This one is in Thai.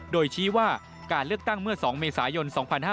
โดยชี้ว่าการเลือกตั้งเมื่อ๒เมษายน๒๕๕๙